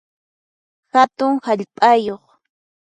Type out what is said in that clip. Hatun hallp'ayuq